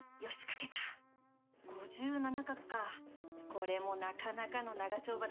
５７画かこれもなかなかの長丁場だったわね